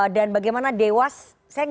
dan bagaimana dewas